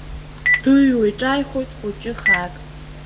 Дыҩуа иҿааихоит хәыҷы хаак.